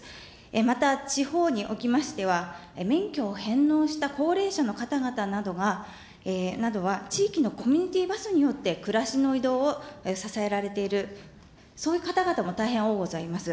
また地方におきましては、免許を返納した高齢者の方々などは、地域のコミュニティバスによって暮らしの移動を支えられている、そういう方々も大変おおうございます。